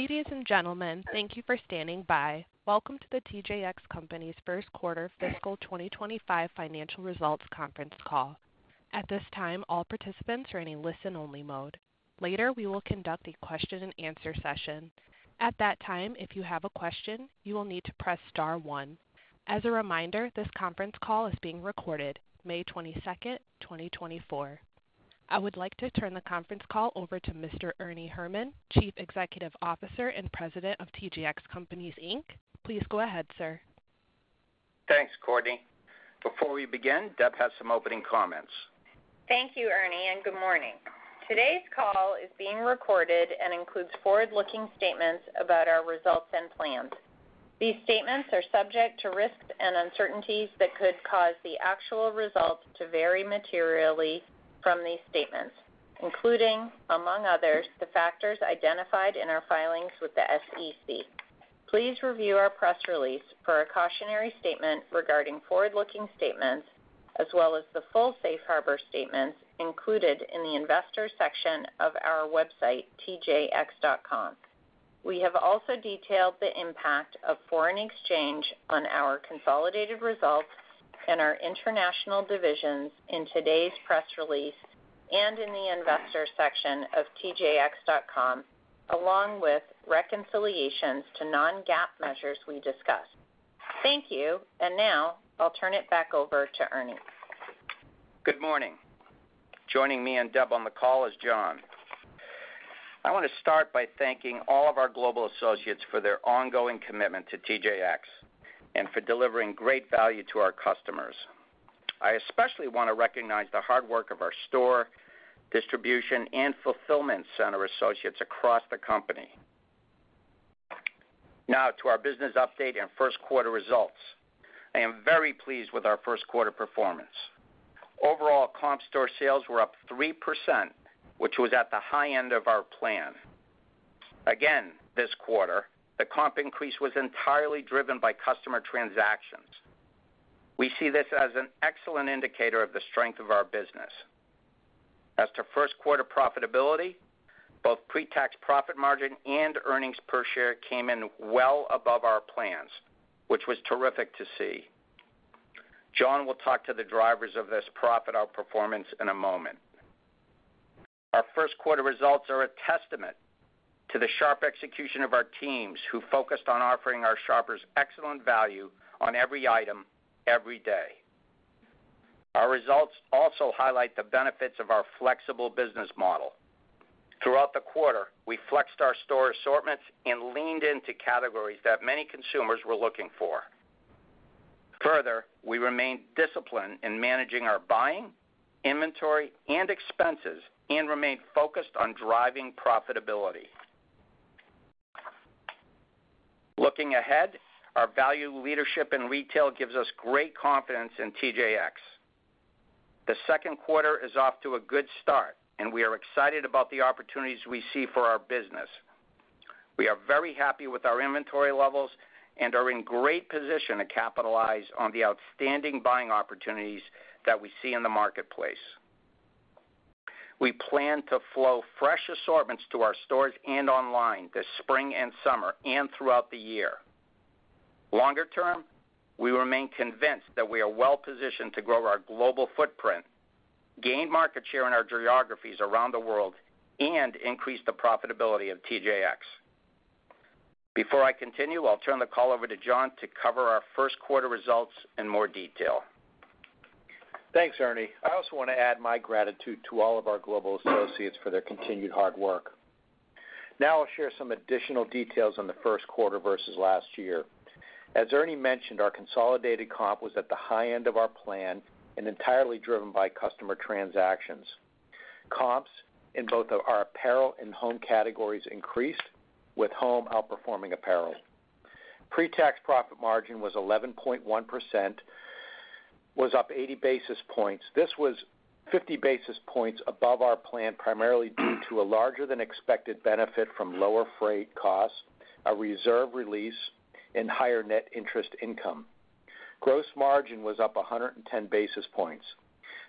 Ladies and gentlemen, thank you for standing by. Welcome to the TJX Companies Q1 Fiscal 2025 Financial Results Conference Call. At this time, all participants are in a listen-only mode. Later, we will conduct a question-and-answer session. At that time, if you have a question, you will need to press star one. As a reminder, this conference call is being recorded, 22 May, 2024. I would like to turn the conference call over to Mr. Ernie Herrman, Chief Executive Officer and President of TJX Companies, Inc. Please go ahead, sir. Thanks, Courtney. Before we begin, Deb has some opening comments. Thank you, Ernie, and good morning. Today's call is being recorded and includes forward-looking statements about our results and plans. These statements are subject to risks and uncertainties that could cause the actual results to vary materially from these statements, including, among others, the factors identified in our filings with the SEC. Please review our press release for a cautionary statement regarding forward-looking statements, as well as the full safe harbor statements included in the Investors section of our website, tjx.com. We have also detailed the impact of foreign exchange on our consolidated results and our international divisions in today's press release and in the Investors section of tjx.com, along with reconciliations to non-GAAP measures we discuss. Thank you, and now I'll turn it back over to Ernie. Good morning. Joining me and Deb on the call is John. I wanna start by thanking all of our global associates for their ongoing commitment to TJX and for delivering great value to our customers. I especially wanna recognize the hard work of our store, distribution, and fulfillment center associates across the company. Now to our business update and Q1 results. I am very pleased with our Q1 performance. Overall, comp store sales were up 3%, which was at the high end of our plan. Again, this quarter, the comp increase was entirely driven by customer transactions. We see this as an excellent indicator of the strength of our business. As to Q1 profitability, both pre-tax profit margin and earnings per share came in well above our plans, which was terrific to see. John will talk to the drivers of this profit outperformance in a moment. Our Q1 results are a testament to the sharp execution of our teams, who focused on offering our shoppers excellent value on every item, every day. Our results also highlight the benefits of our flexible business model. Throughout the quarter, we flexed our store assortments and leaned into categories that many consumers were looking for. Further, we remained disciplined in managing our buying, inventory, and expenses and remained focused on driving profitability. Looking ahead, our value leadership in retail gives us great confidence in TJX. The Q2 is off to a good start, and we are excited about the opportunities we see for our business. We are very happy with our inventory levels and are in great position to capitalize on the outstanding buying opportunities that we see in the marketplace. We plan to flow fresh assortments to our stores and online this spring and summer and throughout the year. Longer term, we remain convinced that we are well positioned to grow our global footprint, gain market share in our geographies around the world, and increase the profitability of TJX. Before I continue, I'll turn the call over to John to cover our Q1 results in more detail. Thanks, Ernie. I also want to add my gratitude to all of our global associates for their continued hard work. Now I'll share some additional details on the Q1 versus last year. As Ernie mentioned, our consolidated comp was at the high end of our plan and entirely driven by customer transactions. Comps in both our apparel and home categories increased, with home outperforming apparel. Pre-tax profit margin was 11.1%, was up 80 basis points. This was 50 basis points above our plan, primarily due to a larger-than-expected benefit from lower freight costs, a reserve release, and higher net interest income. Gross margin was up 110 basis points.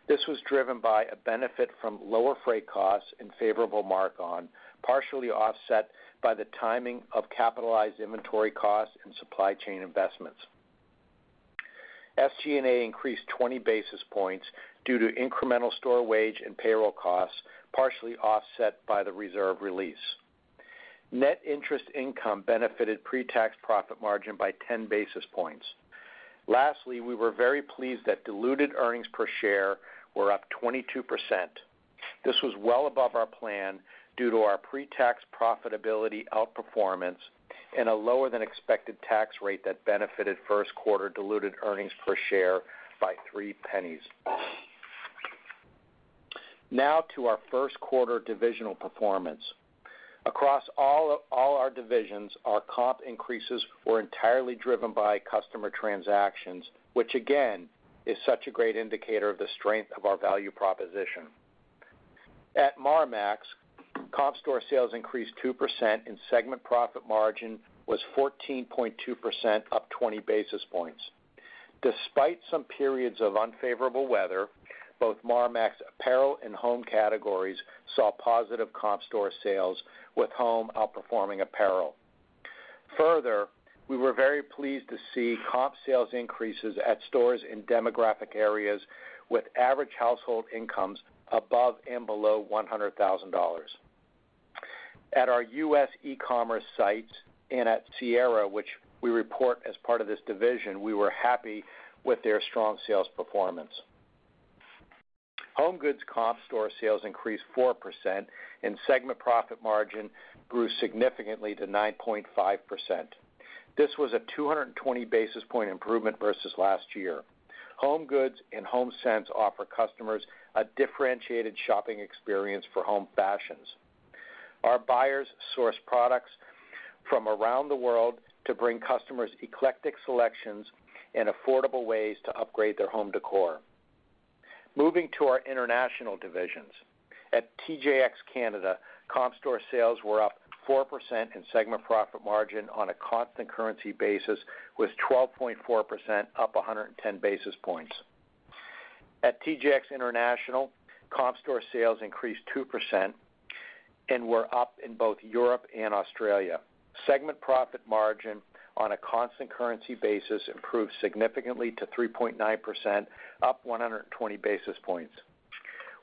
This was driven by a benefit from lower freight costs and favorable mark-on, partially offset by the timing of capitalized inventory costs and supply chain investments. SG&A increased 20 basis points due to incremental store wage and payroll costs, partially offset by the reserve release. Net interest income benefited pre-tax profit margin by 10 basis points. Lastly, we were very pleased that diluted earnings per share were up 22%. This was well above our plan due to our pre-tax profitability outperformance and a lower-than-expected tax rate that benefited Q1 diluted earnings per share by $0.03. Now to our Q1 divisional performance. Across all our divisions, our comp increases were entirely driven by customer transactions, which, again, is such a great indicator of the strength of our value proposition. At Marmaxx, comp store sales increased 2%, and segment profit margin was 14.2%, up 20 basis points.... Despite some periods of unfavorable weather, both Marmaxx apparel and home categories saw positive comp store sales, with home outperforming apparel. Further, we were very pleased to see comp sales increases at stores in demographic areas with average household incomes above and below $100,000. At our U.S. e-commerce sites and at Sierra, which we report as part of this division, we were happy with their strong sales performance. HomeGoods comp store sales increased 4%, and segment profit margin grew significantly to 9.5%. This was a 220 basis point improvement versus last year. HomeGoods and HomeSense offer customers a differentiated shopping experience for home fashions. Our buyers source products from around the world to bring customers eclectic selections and affordable ways to upgrade their home decor. Moving to our international divisions. At TJX Canada, comp store sales were up 4%, and segment profit margin on a constant currency basis was 12.4%, up 110 basis points. At TJX International, comp store sales increased 2% and were up in both Europe and Australia. Segment profit margin on a constant currency basis improved significantly to 3.9%, up 120 basis points.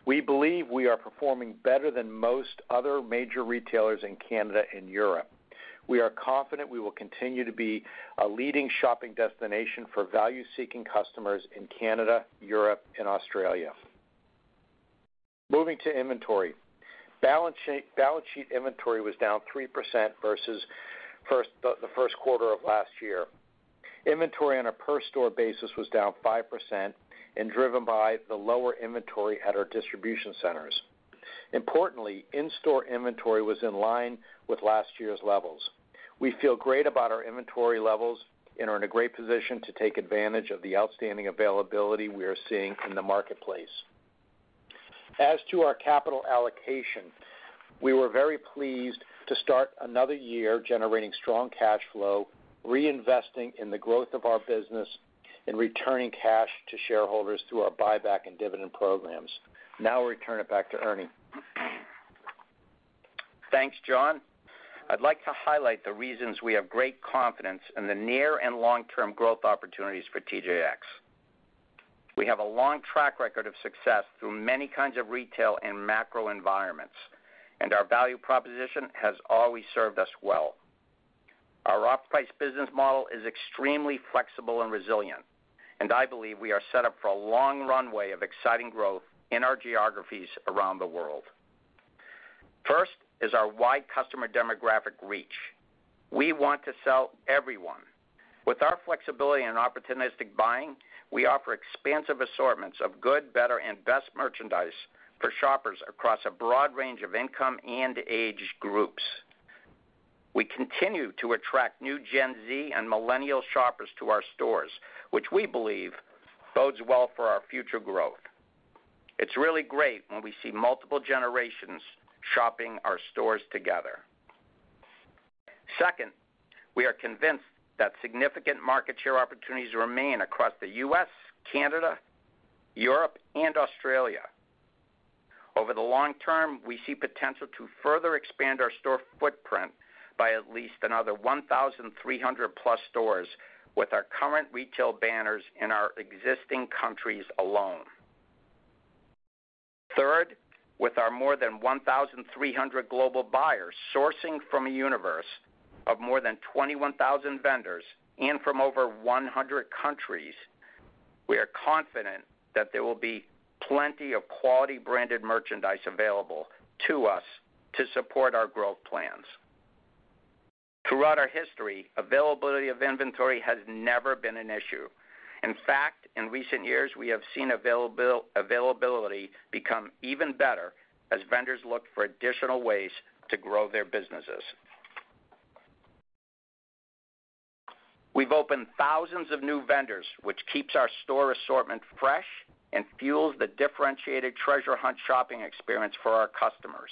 We believe we are performing better than most other major retailers in Canada and Europe. We are confident we will continue to be a leading shopping destination for value-seeking customers in Canada, Europe, and Australia. Moving to inventory. Balance sheet inventory was down 3% versus the Q1 of last year. Inventory on a per store basis was down 5% and driven by the lower inventory at our distribution centers. Importantly, in-store inventory was in line with last year's levels. We feel great about our inventory levels and are in a great position to take advantage of the outstanding availability we are seeing in the marketplace. As to our capital allocation, we were very pleased to start another year generating strong cash flow, reinvesting in the growth of our business, and returning cash to shareholders through our buyback and dividend programs. Now I'll return it back to Ernie. Thanks, John. I'd like to highlight the reasons we have great confidence in the near and long-term growth opportunities for TJX. We have a long track record of success through many kinds of retail and macro environments, and our value proposition has always served us well. Our off-price business model is extremely flexible and resilient, and I believe we are set up for a long runway of exciting growth in our geographies around the world. First is our wide customer demographic reach. We want to sell everyone. With our flexibility and opportunistic buying, we offer expansive assortments of good, better, and best merchandise for shoppers across a broad range of income and age groups. We continue to attract new Gen Z and Millennial shoppers to our stores, which we believe bodes well for our future growth. It's really great when we see multiple generations shopping our stores together. Second, we are convinced that significant market share opportunities remain across the U.S., Canada, Europe, and Australia. Over the long term, we see potential to further expand our store footprint by at least another 1,300+ stores with our current retail banners in our existing countries alone. Third, with our more than 1,300 global buyers sourcing from a universe of more than 21,000 vendors and from over 100 countries, we are confident that there will be plenty of quality branded merchandise available to us to support our growth plans. Throughout our history, availability of inventory has never been an issue. In fact, in recent years, we have seen availability become even better as vendors look for additional ways to grow their businesses. We've opened thousands of new vendors, which keeps our store assortment fresh and fuels the differentiated treasure hunt shopping experience for our customers.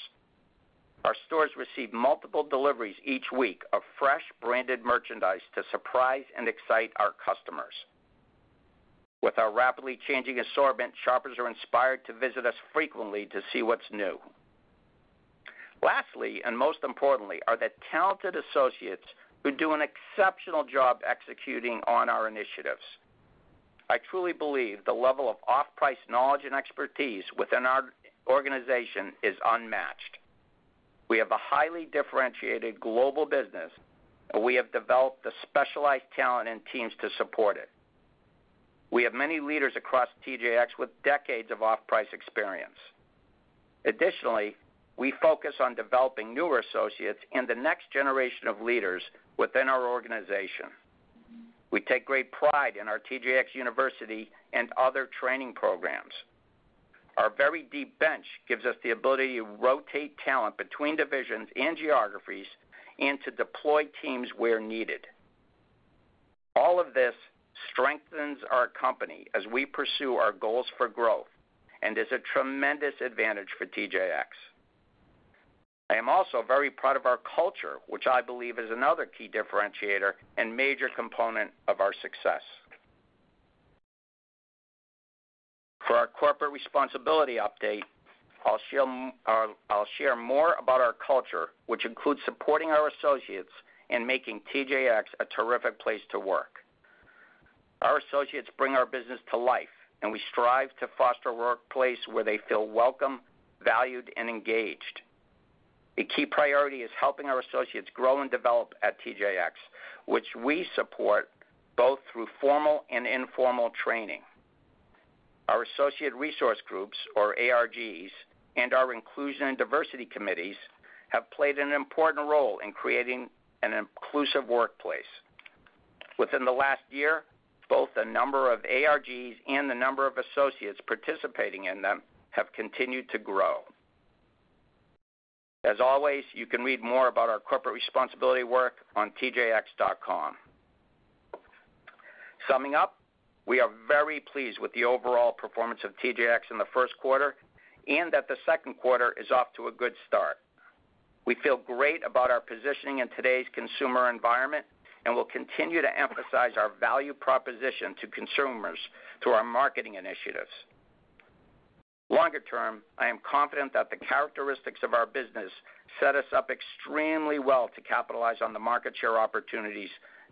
Our stores receive multiple deliveries each week of fresh, branded merchandise to surprise and excite our customers. With our rapidly changing assortment, shoppers are inspired to visit us frequently to see what's new. Lastly, and most importantly, are the talented associates who do an exceptional job executing on our initiatives. I truly believe the level of off-price knowledge and expertise within our organization is unmatched. We have a highly differentiated global business, and we have developed the specialized talent and teams to support it. We have many leaders across TJX with decades of off-price experience. Additionally, we focus on developing newer associates and the next generation of leaders within our organization. We take great pride in our TJX University and other training programs. Our very deep bench gives us the ability to rotate talent between divisions and geographies and to deploy teams where needed. All of this strengthens our company as we pursue our goals for growth and is a tremendous advantage for TJX.... I am also very proud of our culture, which I believe is another key differentiator and major component of our success. For our corporate responsibility update, I'll share more about our culture, which includes supporting our associates and making TJX a terrific place to work. Our associates bring our business to life, and we strive to foster a workplace where they feel welcome, valued, and engaged. A key priority is helping our associates grow and develop at TJX, which we support both through formal and informal training. Our Associate Resource Groups, or ARGs, and our Inclusion and Diversity Committees, have played an important role in creating an inclusive workplace. Within the last year, both the number of ARGs and the number of associates participating in them have continued to grow. As always, you can read more about our corporate responsibility work on tjx.com. Summing up, we are very pleased with the overall performance of TJX in the Q1 and that the Q2 is off to a good start. We feel great about our positioning in today's consumer environment, and we'll continue to emphasize our value proposition to consumers through our marketing initiatives. Longer term, I am confident that the characteristics of our business set us up extremely well to capitalize on the market share opportunities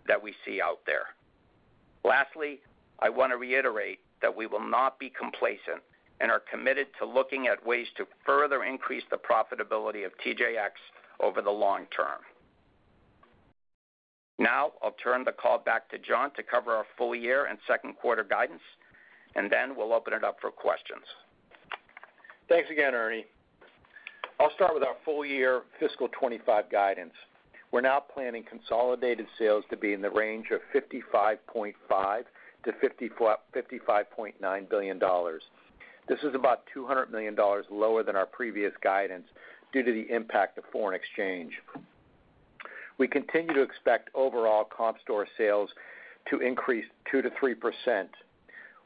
that we see out there. Lastly, I want to reiterate that we will not be complacent and are committed to looking at ways to further increase the profitability of TJX over the long term. Now, I'll turn the call back to John to cover our full year and Q2 guidance, and then we'll open it up for questions. Thanks again, Ernie. I'll start with our full year fiscal 2025 guidance. We're now planning consolidated sales to be in the range of $55.5 billion-$55.9 billion. This is about $200 million lower than our previous guidance due to the impact of foreign exchange. We continue to expect overall comp store sales to increase 2%-3%.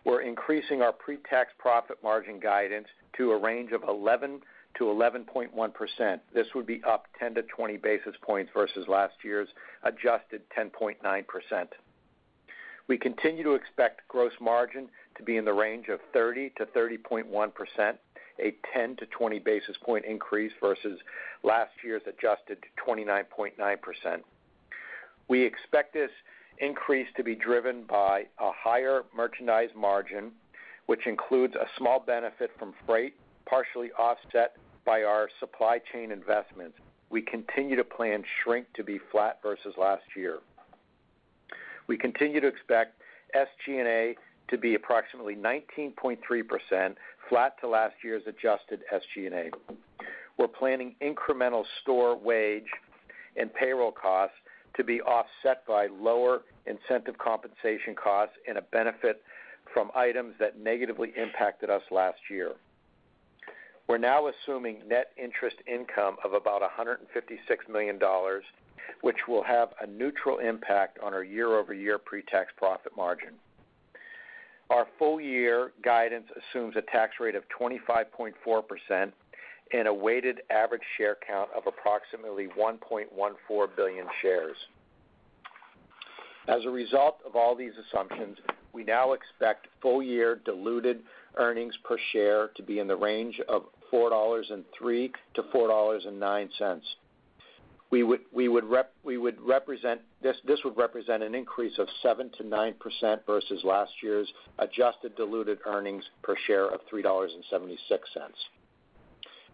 We're increasing our pre-tax profit margin guidance to a range of 11%-11.1%. This would be up 10-20 basis points versus last year's adjusted 10.9%. We continue to expect gross margin to be in the range of 30%-30.1%, a 10-20 basis point increase versus last year's adjusted to 29.9%. We expect this increase to be driven by a higher merchandise margin, which includes a small benefit from freight, partially offset by our supply chain investments. We continue to plan shrink to be flat versus last year. We continue to expect SG&A to be approximately 19.3%, flat to last year's adjusted SG&A. We're planning incremental store wage and payroll costs to be offset by lower incentive compensation costs and a benefit from items that negatively impacted us last year. We're now assuming net interest income of about $156 million, which will have a neutral impact on our year-over-year pre-tax profit margin. Our full year guidance assumes a tax rate of 25.4% and a weighted average share count of approximately 1.14 billion shares. As a result of all these assumptions, we now expect full year diluted earnings per share to be in the range of $4.03-$4.09. We would represent this, this would represent an increase of 7%-9% versus last year's adjusted diluted earnings per share of $3.76.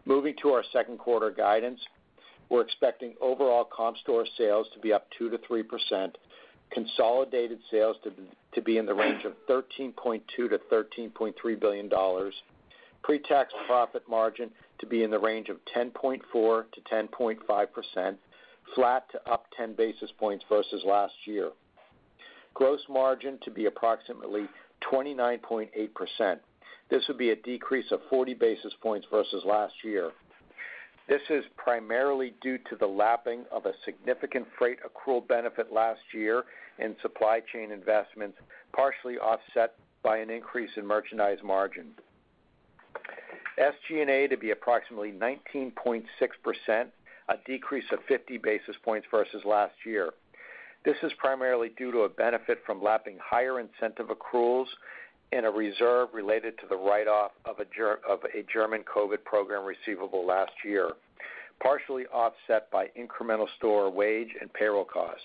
Moving to our Q2 guidance, we're expecting overall comp store sales to be up 2%-3%, consolidated sales to be in the range of $13.2 billion-$13.3 billion, pre-tax profit margin to be in the range of 10.4%-10.5%, flat to up 10 basis points versus last year. Gross margin to be approximately 29.8%. This would be a decrease of 40 basis points versus last year. This is primarily due to the lapping of a significant freight accrual benefit last year in supply chain investments, partially offset by an increase in merchandise margin. SG&A to be approximately 19.6%, a decrease of 50 basis points versus last year. This is primarily due to a benefit from lapping higher incentive accruals and a reserve related to the write-off of a German COVID program receivable last year, partially offset by incremental store wage and payroll costs.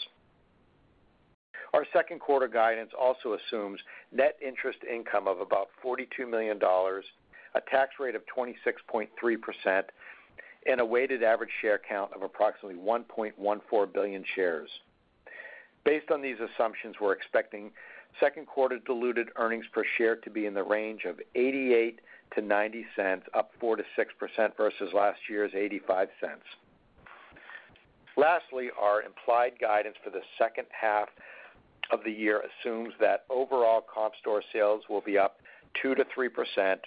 Our Q2 guidance also assumes net interest income of about $42 million, a tax rate of 26.3%, and a weighted average share count of approximately 1.14 billion shares. Based on these assumptions, we're expecting Q2 diluted earnings per share to be in the range of $0.88-$0.90, up 4%-6% versus last year's $0.85. Lastly, our implied guidance for the H2 of the year assumes that overall comp store sales will be up 2%-3%,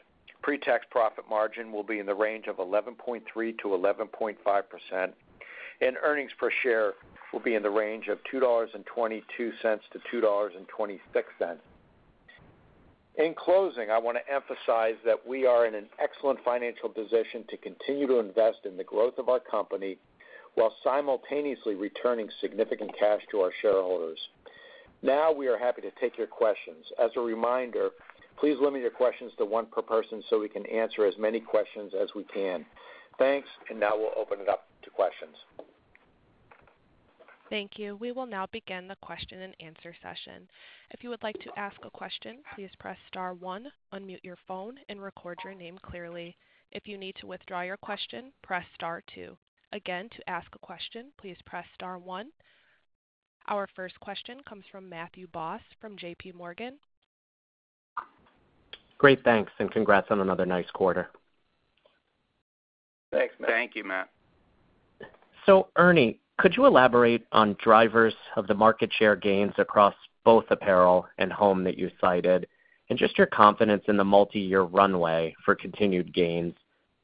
pre-tax profit margin will be in the range of 11.3%-11.5%, and earnings per share will be in the range of $2.22-$2.26. ...In closing, I wanna emphasize that we are in an excellent financial position to continue to invest in the growth of our company, while simultaneously returning significant cash to our shareholders. Now, we are happy to take your questions. As a reminder, please limit your questions to one per person, so we can answer as many questions as we can. Thanks, and now we'll open it up to questions. Thank you. We will now begin the question-and-answer session. If you would like to ask a question, please press star one, unmute your phone, and record your name clearly. If you need to withdraw your question, press star two. Again, to ask a question, please press star one. Our first question comes from Matthew Boss, from JPMorgan. Great, thanks, and congrats on another nice quarter. Thanks, Matt. Thank you, Matt. So, Ernie, could you elaborate on drivers of the market share gains across both apparel and home that you cited, and just your confidence in the multiyear runway for continued gains?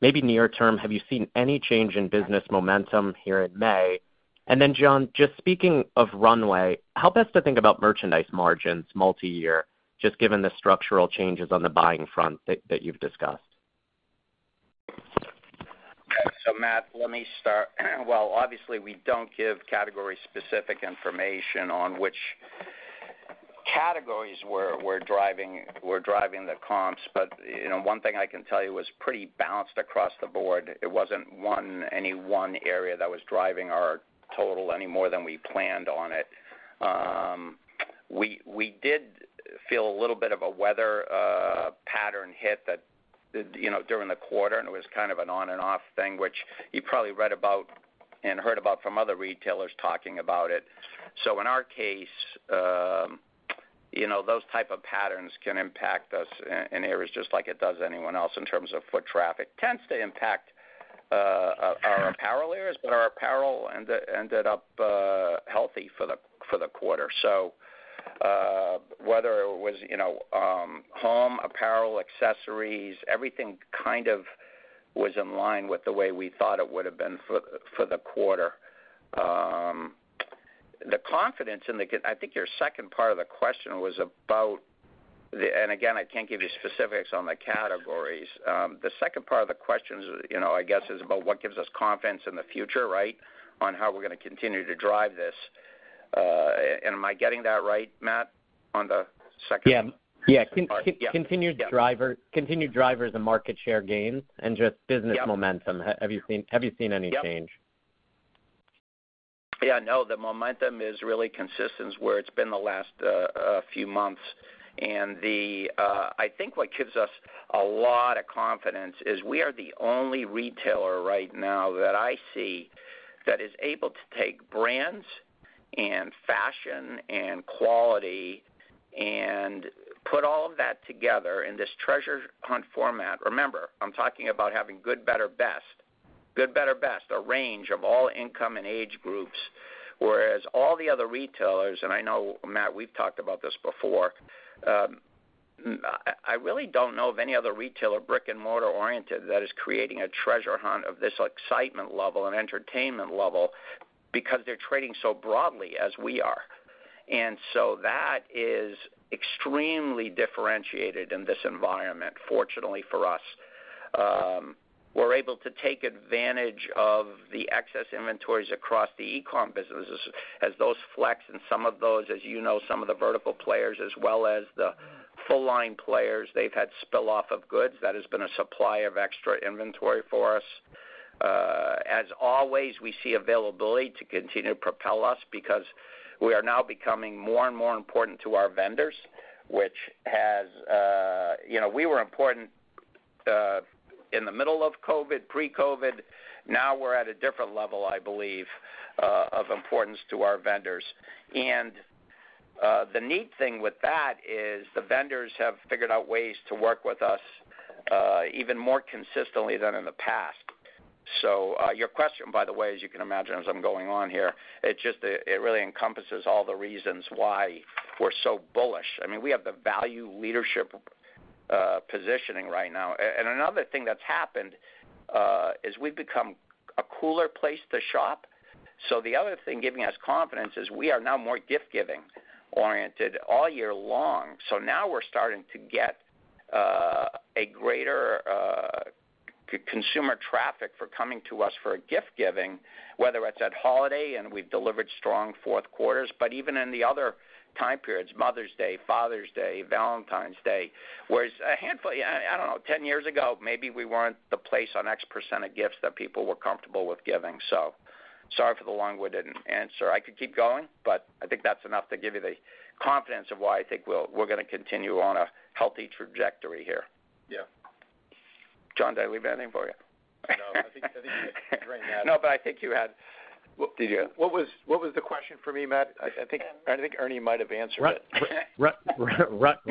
Maybe near term, have you seen any change in business momentum here in May? And then, John, just speaking of runway, how best to think about merchandise margins multiyear, just given the structural changes on the buying front that you've discussed? So, Matt, let me start. Well, obviously, we don't give category-specific information on which categories we're driving the comps. But, you know, one thing I can tell you, it was pretty balanced across the board. It wasn't one - any one area that was driving our total any more than we planned on it. We did feel a little bit of a weather pattern hit that, you know, during the quarter, and it was kind of an on-and-off thing, which you probably read about and heard about from other retailers talking about it. So in our case, you know, those type of patterns can impact us in areas just like it does anyone else in terms of foot traffic. Tends to impact our apparel areas, but our apparel ended up healthy for the quarter. So, whether it was, you know, home, apparel, accessories, everything kind of was in line with the way we thought it would've been for the quarter. The confidence in the, I think your second part of the question was about the, and again, I can't give you specifics on the categories. The second part of the question, you know, I guess, is about what gives us confidence in the future, right? On how we're gonna continue to drive this. Am I getting that right, Matt, on the second- Yeah. Yeah. Yeah. continued drivers and market share gains, and just- Yep... business momentum. Have you seen, have you seen any change? Yep. Yeah, no, the momentum is really consistent where it's been the last few months. And the, I think what gives us a lot of confidence is we are the only retailer right now, that I see, that is able to take brands, and fashion, and quality, and put all of that together in this treasure hunt format. Remember, I'm talking about having good, better, best. Good, better, best, a range of all income and age groups, whereas all the other retailers, and I know, Matt, we've talked about this before, I, I really don't know of any other retailer, brick-and-mortar oriented, that is creating a treasure hunt of this excitement level and entertainment level, because they're trading so broadly as we are. And so that is extremely differentiated in this environment, fortunately for us. We're able to take advantage of the excess inventories across the e-com businesses as those flex. And some of those, as you know, some of the vertical players as well as the full-line players, they've had spill off of goods. That has been a supply of extra inventory for us. As always, we see availability to continue to propel us because we are now becoming more and more important to our vendors, which has... You know, we were important, in the middle of COVID, pre-COVID. Now, we're at a different level, I believe, of importance to our vendors. And, the neat thing with that is, the vendors have figured out ways to work with us, even more consistently than in the past. So, your question, by the way, as you can imagine, as I'm going on here, it just it really encompasses all the reasons why we're so bullish. I mean, we have the value leadership positioning right now. And another thing that's happened is we've become a cooler place to shop. So the other thing giving us confidence is we are now more gift-giving oriented all year long. So now we're starting to get a greater consumer traffic for coming to us for gift giving, whether it's at holiday, and we've delivered strong Q4s, but even in the other time periods, Mother's Day, Father's Day, Valentine's Day. Whereas a handful, yeah, I don't know, 10 years ago, maybe we weren't the place on X% of gifts that people were comfortable with giving. So sorry for the long-winded answer. I could keep going, but I think that's enough to give you the confidence of why I think we're gonna continue on a healthy trajectory here. Yeah. John, did I leave anything for you? No, I think, I think you did great, Matt. No, but I think you had- Well, did you? What was the question for me, Matt? I think Ernie might have answered it.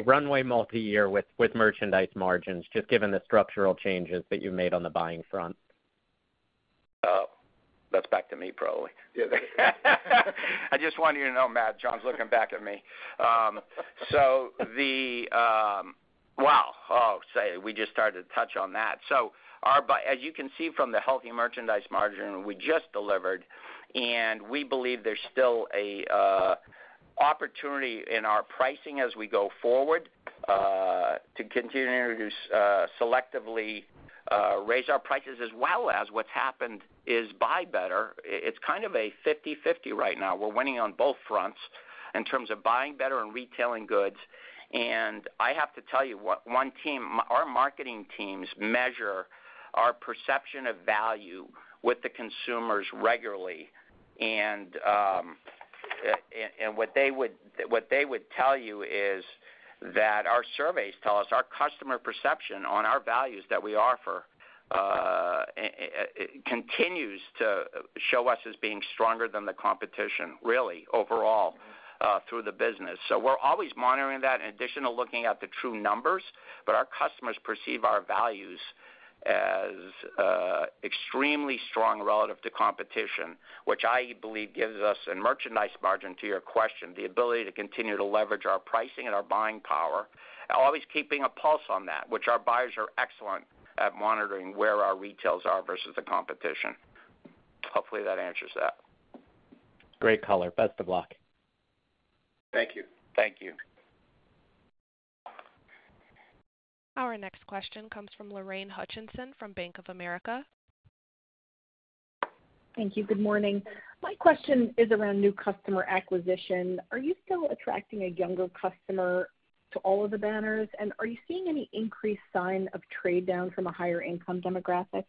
Runway multiyear with, with merchandise margins, just given the structural changes that you've made on the buying front. Oh, that's back to me, probably. Yeah, that's right. I just want you to know, Matt, John's looking back at me. So the... Wow, oh, say, we just started to touch on that. So our buy- as you can see from the healthy merchandise margin we just delivered, and we believe there's still a... opportunity in our pricing as we go forward, to continue to, selectively, raise our prices, as well as what's happened is buy better. It's kind of a 50/50 right now. We're winning on both fronts in terms of buying better and retailing goods. And I have to tell you, one team, our marketing teams measure our perception of value with the consumers regularly. And what they would tell you is that our surveys tell us our customer perception on our values that we offer continues to show us as being stronger than the competition, really, overall, through the business. So we're always monitoring that in addition to looking at the true numbers. But our customers perceive our values as extremely strong relative to competition, which I believe gives us, in merchandise margin, to your question, the ability to continue to leverage our pricing and our buying power, always keeping a pulse on that, which our buyers are excellent at monitoring where our retails are versus the competition. Hopefully, that answers that. Great color. Best of luck. Thank you. Thank you. Our next question comes from Lorraine Hutchinson from Bank of America. Thank you. Good morning. My question is around new customer acquisition. Are you still attracting a younger customer to all of the banners? And are you seeing any increased sign of trade down from a higher income demographic?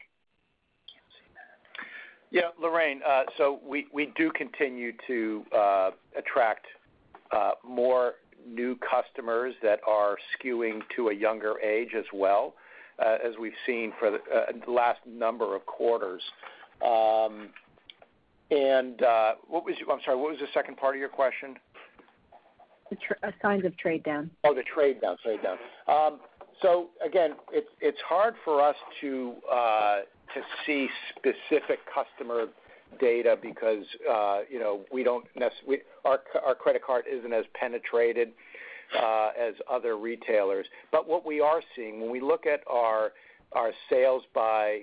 Yeah, Lorraine, so we, we do continue to attract more new customers that are skewing to a younger age as well, as we've seen for the last number of quarters. And, what was your-- I'm sorry, what was the second part of your question? The signs of trade down. Oh, the trade down. Trade down. So again, it's hard for us to see specific customer data because, you know, our credit card isn't as penetrated as other retailers. But what we are seeing when we look at our sales by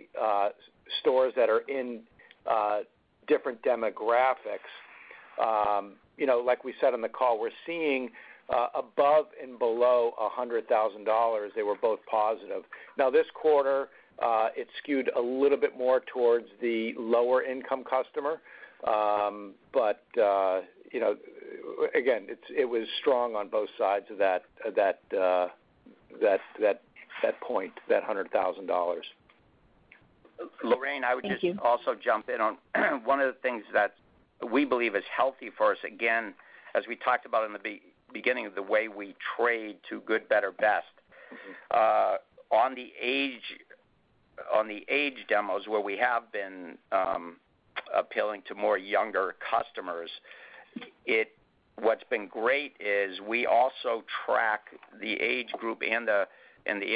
stores that are in different demographics, you know, like we said on the call, we're seeing above and below $100,000. They were both positive. Now, this quarter, it skewed a little bit more towards the lower income customer. But, you know, again, it was strong on both sides of that point, that $100,000. Thank you. Lorraine, I would just also jump in on one of the things that we believe is healthy for us, again, as we talked about in the beginning of the way we trade to good, better, best. On the age demos, where we have been appealing to more younger customers, what's been great is we also track the age group and the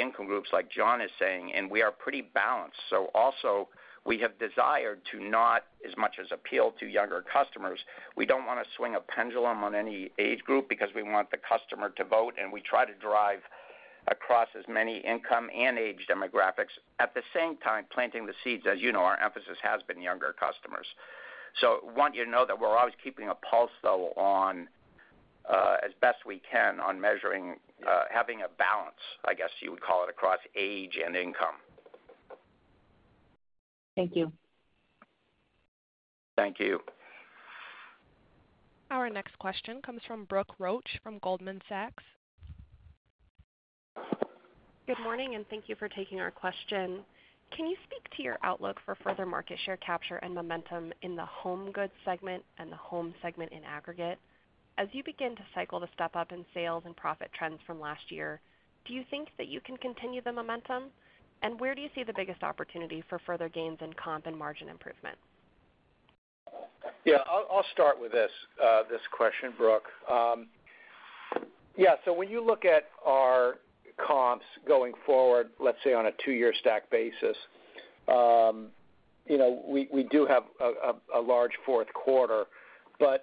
income groups, like John is saying, and we are pretty balanced. So also, we have desired to not as much as appeal to younger customers. We don't wanna swing a pendulum on any age group because we want the customer to vote, and we try to drive across as many income and age demographics. At the same time, planting the seeds, as you know, our emphasis has been younger customers. So want you to know that we're always keeping a pulse, though, on as best we can on measuring having a balance, I guess you would call it, across age and income. Thank you. Thank you. Our next question comes from Brooke Roach from Goldman Sachs. Good morning, and thank you for taking our question. Can you speak to your outlook for further market share capture and momentum in the home goods segment and the home segment in aggregate? As you begin to cycle the step up in sales and profit trends from last year, do you think that you can continue the momentum? Where do you see the biggest opportunity for further gains in comp and margin improvement? Yeah, I'll start with this, this question, Brooke. Yeah, so when you look at our comps going forward, let's say on a two-year stack basis, you know, we do have a large Q4. But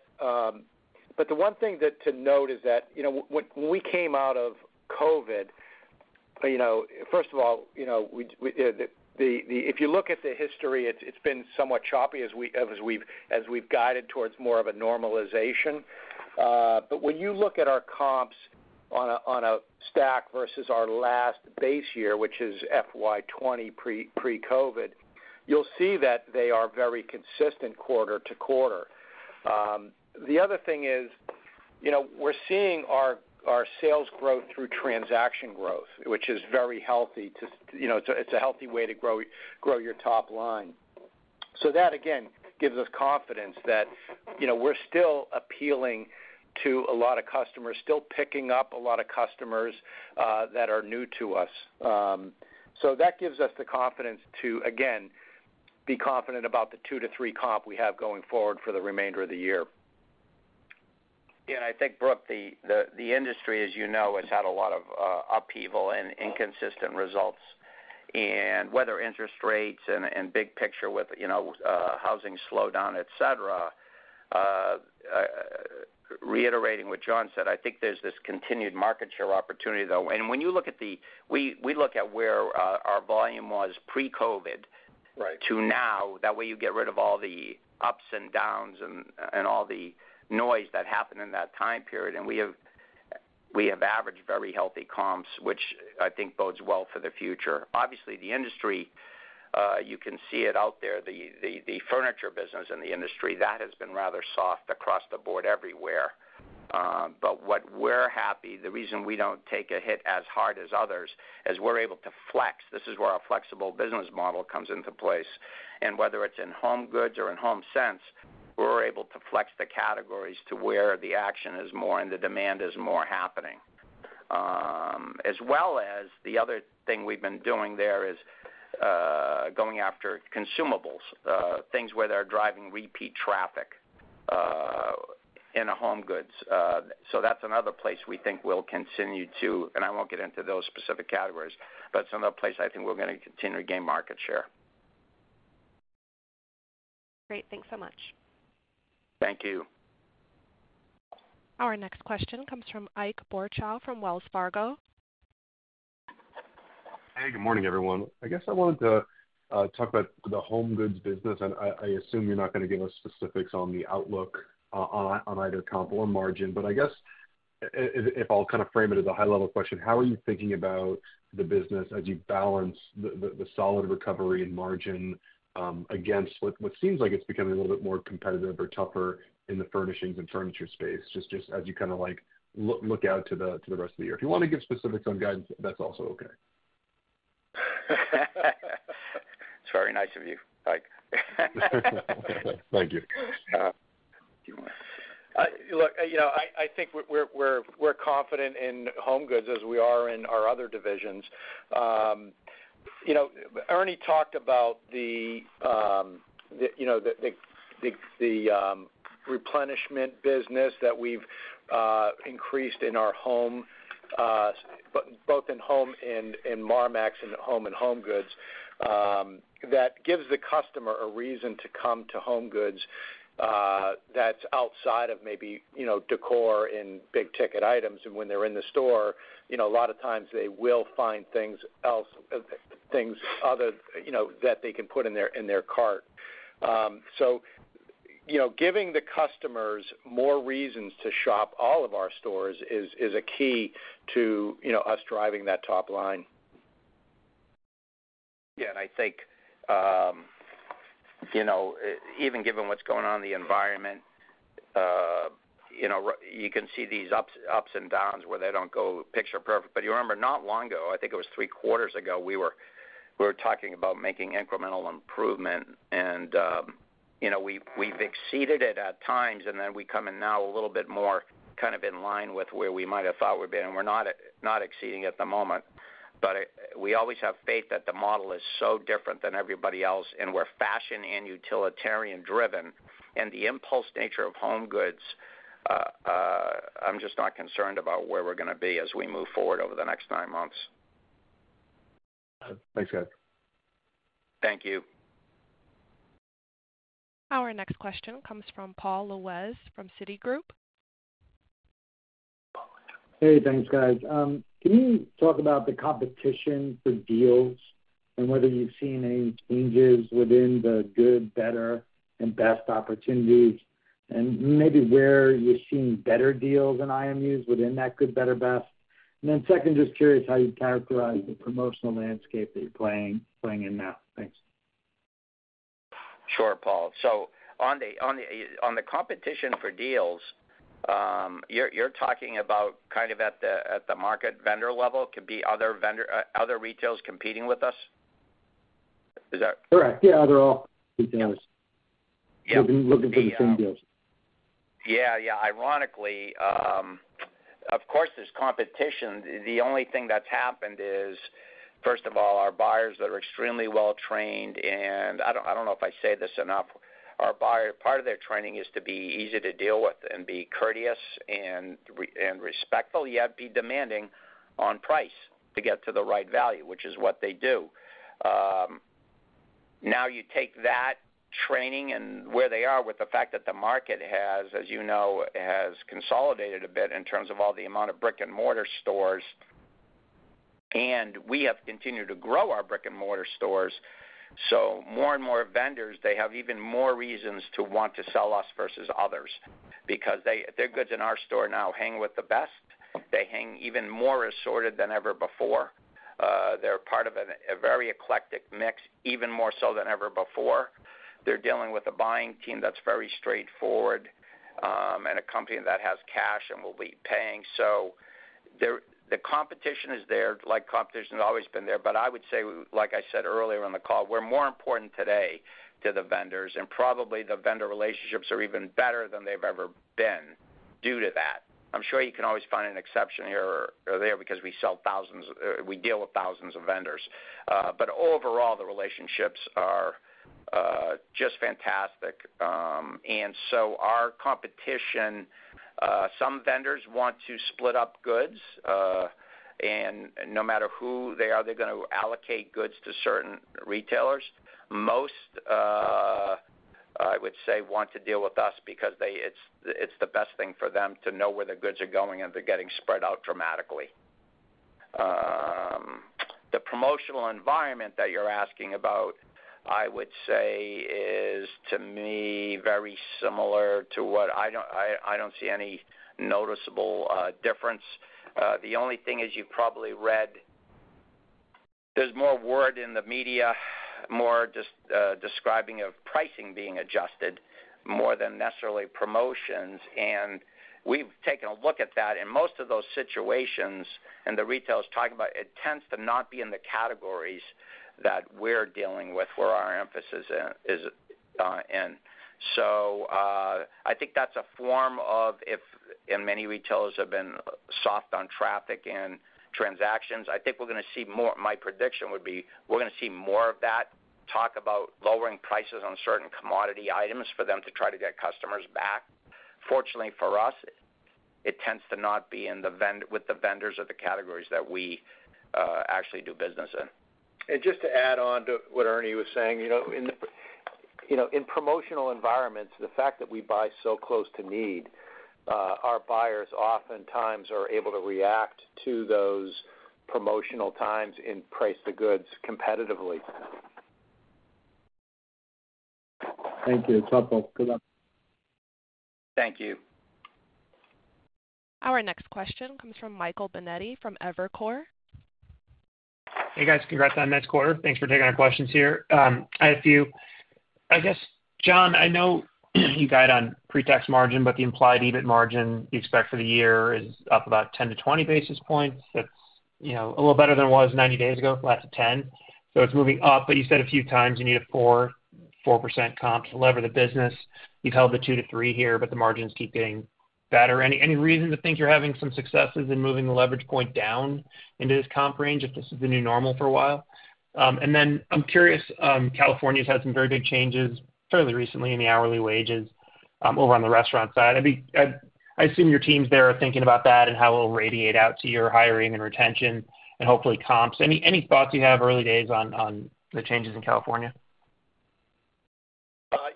the one thing that to note is that, you know, when we came out of COVID, you know, first of all, you know, if you look at the history, it's been somewhat choppy as we've guided towards more of a normalization. But when you look at our comps on a stack versus our last base year, which is FY 2020 pre-COVID, you'll see that they are very consistent quarter-to-quarter. The other thing is, you know, we're seeing our sales growth through transaction growth, which is very healthy, you know, it's a healthy way to grow your top line. So that, again, gives us confidence that, you know, we're still appealing to a lot of customers, still picking up a lot of customers that are new to us. So that gives us the confidence to, again, be confident about the 2-3 comp we have going forward for the remainder of the year. Yeah, and I think, Brooke, the industry, as you know, has had a lot of upheaval and inconsistent results. And whether interest rates and big picture with, you know, housing slowdown, et cetera, reiterating what John said, I think there's this continued market share opportunity, though. And when you look at the we look at where our volume was pre-COVID- Right... to now, that way, you get rid of all the ups and downs and all the noise that happened in that time period. And we have averaged very healthy comps, which I think bodes well for the future. Obviously, the industry, you can see it out there, the furniture business and the industry, that has been rather soft across the board everywhere. But what we're happy, the reason we don't take a hit as hard as others, is we're able to flex. This is where our flexible business model comes into place. And whether it's in HomeGoods or in HomeSense, we're able to flex the categories to where the action is more and the demand is more happening. As well as the other thing we've been doing there is going after consumables, things where they're driving repeat traffic, in the HomeGoods. So that's another place we think we'll continue to... And I won't get into those specific categories, but some of the places I think we're gonna continue to gain market share. Great. Thanks so much. Thank you. Our next question comes from Ike Boruchow, from Wells Fargo. Hey, good morning, everyone. I guess I wanted to talk about the HomeGoods business, and I assume you're not gonna give us specifics on the outlook on either comp or margin. But I guess if I'll kind of frame it as a high-level question: how are you thinking about the business as you balance the solid recovery and margin against what seems like it's becoming a little bit more competitive or tougher in the furnishings and furniture space, just as you kind of like look out to the rest of the year? If you want to give specifics on guidance, that's also okay. That's very nice of you, Ike. Thank you. Look, you know, I think we're confident in HomeGoods as we are in our other divisions. You know, Ernie talked about the, you know, the replenishment business that we've increased in our home, but both in home and in Marmaxx and home in HomeGoods, that gives the customer a reason to come to HomeGoods, that's outside of maybe, you know, decor and big-ticket items. And when they're in the store, you know, a lot of times they will find other things, you know, that they can put in their cart. So, you know, giving the customers more reasons to shop all of our stores is a key to, you know, us driving that top line. Yeah, and I think, you know, even given what's going on in the environment, you know, you can see these ups and downs where they don't go picture perfect. But you remember, not long ago, I think it was three quarters ago, we were talking about making incremental improvement, and, you know, we've exceeded it at times, and then we come in now a little bit more kind of in line with where we might have thought we'd been, and we're not exceeding at the moment. But we always have faith that the model is so different than everybody else, and we're fashion and utilitarian driven, and the impulse nature of HomeGoods, I'm just not concerned about where we're gonna be as we move forward over the next nine months. Thanks, guys. Thank you. Our next question comes from Paul Lejuez, from Citigroup. Hey, thanks, guys. Can you talk about the competition for deals and whether you've seen any changes within the good, better, and best opportunities? And maybe where you're seeing better deals than IMUs within that good, better, best. And then second, just curious how you'd characterize the promotional landscape that you're playing in now. Thanks. Sure, Paul. So on the competition for deals, you're talking about kind of at the market vendor level, could be other vendor, other retailers competing with us? Is that- Correct. Yeah, other retailers- Yeah... looking for the same deals. Yeah, yeah. Ironically, of course, there's competition. The only thing that's happened is, first of all, our buyers that are extremely well trained, and I don't know if I say this enough, our buyer—part of their training is to be easy to deal with and be courteous and respectful, yet be demanding on price to get to the right value, which is what they do. Now, you take that training and where they are with the fact that the market has, as you know, consolidated a bit in terms of all the amount of brick-and-mortar stores, and we have continued to grow our brick-and-mortar stores. So more and more vendors, they have even more reasons to want to sell us versus others because they, their goods in our store now hang with the best. They hang even more assorted than ever before. They're part of a very eclectic mix, even more so than ever before. They're dealing with a buying team that's very straightforward, and a company that has cash and will be paying. So the competition is there, like, competition has always been there. But I would say, like I said earlier in the call, we're more important today to the vendors, and probably the vendor relationships are even better than they've ever been due to that. I'm sure you can always find an exception here or there because we sell thousands, we deal with thousands of vendors. But overall, the relationships are just fantastic. And so our competition, some vendors want to split up goods, and no matter who they are, they're gonna allocate goods to certain retailers. Most, I would say, want to deal with us because they—it's the best thing for them to know where their goods are going, and they're getting spread out dramatically. The promotional environment that you're asking about, I would say is, to me, very similar to what—I don't see any noticeable difference. The only thing is you've probably read—there's more words in the media, more describing of pricing being adjusted more than necessarily promotions. And we've taken a look at that, and most of those situations, and the retailers talking about, it tends to not be in the categories that we're dealing with, where our emphasis in, is in. So, I think that's a form of it, and many retailers have been soft on traffic and transactions, I think we're gonna see more, my prediction would be, we're gonna see more of that talk about lowering prices on certain commodity items for them to try to get customers back. Fortunately, for us, it tends to not be with the vendors or the categories that we actually do business in. Just to add on to what Ernie was saying, you know, in promotional environments, the fact that we buy so close to need, our buyers oftentimes are able to react to those promotional times and price the goods competitively. Thank you. It's helpful. Good luck. Thank you. Our next question comes from Michael Binetti from Evercore. Hey, guys, congrats on next quarter. Thanks for taking our questions here. I have a few. I guess, John, I know you guide on pre-tax margin, but the implied EBIT margin you expect for the year is up about 10-20 basis points. That's, you know, a little better than it was 90 days ago, last at 10. So it's moving up, but you said a few times you need a 4.4% comp to lever the business. You've held the 2%-3% here, but the margins keep getting better. Any reason to think you're having some successes in moving the leverage point down into this comp range if this is the new normal for a while? And then I'm curious, California's had some very big changes fairly recently in the hourly wages over on the restaurant side. I mean, I assume your teams there are thinking about that and how it will radiate out to your hiring and retention and hopefully comps. Any thoughts you have early days on the changes in California?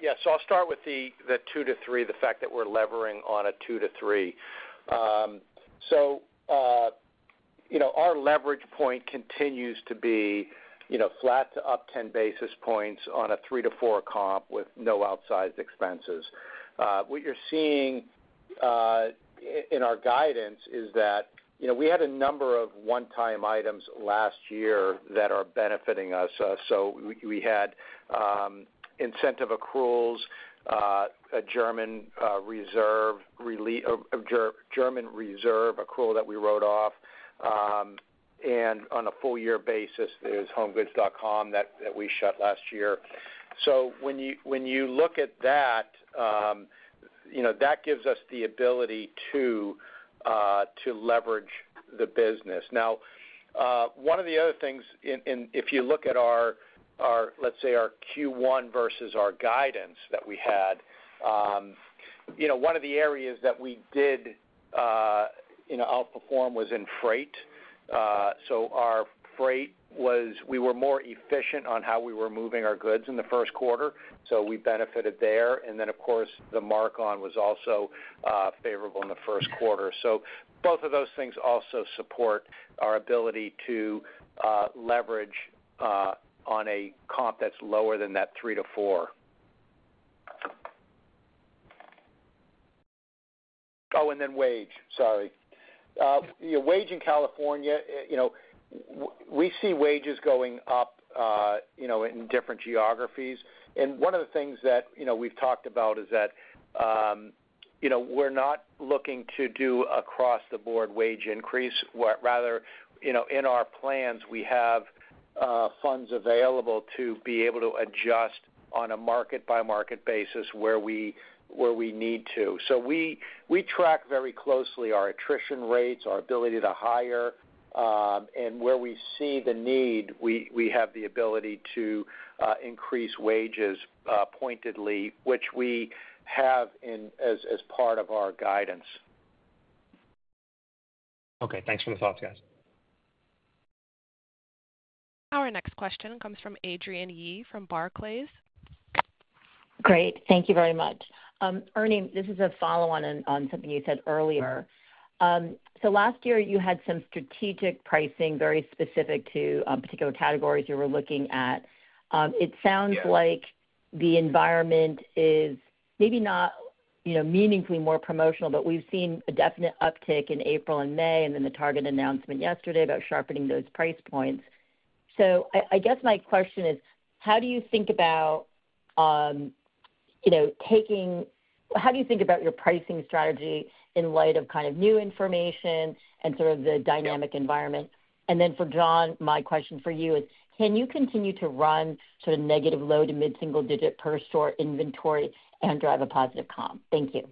Yes. So I'll start with the 2-3, the fact that we're levering on a 2-3. So, you know, our leverage point continues to be, you know, flat to up 10 basis points on a 3-4 comp with no outsized expenses. What you're seeing in our guidance is that, you know, we had a number of one-time items last year that are benefiting us. So we had incentive accruals, a German reserve accrual that we wrote off. And on a full year basis, there's HomeGoods.com that we shut last year. So when you look at that, you know, that gives us the ability to leverage the business. Now, one of the other things if you look at our, let's say, our Q1 versus our guidance that we had, you know, one of the areas that we did, you know, outperform was in freight. So our freight was. We were more efficient on how we were moving our goods in the Q1, so we benefited there. And then, of course, the mark-on was also favorable in the Q1. So both of those things also support our ability to leverage on a comp that's lower than that 3-4. Oh, and then wage, sorry. Yeah, wage in California, you know, we see wages going up, you know, in different geographies. And one of the things that, you know, we've talked about is that, you know, we're not looking to do across the board wage increase. Rather, you know, in our plans, we have funds available to be able to adjust on a market-by-market basis where we, where we need to. So we, we track very closely our attrition rates, our ability to hire, and where we see the need, we, we have the ability to increase wages pointedly, which we have in as part of our guidance. Okay, thanks for the thoughts, guys. Our next question comes from Adrienne Yih from Barclays. Great. Thank you very much. Ernie, this is a follow-on on something you said earlier. So last year, you had some strategic pricing, very specific to particular categories you were looking at. It sounds- Yes... like the environment is maybe not, you know, meaningfully more promotional, but we've seen a definite uptick in April and May, and then the Target announcement yesterday about sharpening those price points. So I, I guess my question is: How do you think about, you know, how do you think about your pricing strategy in light of kind of new information and sort of the- Yeah... dynamic environment? And then for John, my question for you is: Can you continue to run sort of negative low- to mid-single-digit per-store inventory and drive a positive comp? Thank you.